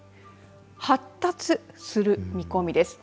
発達する見込みです。